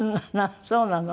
そうなの。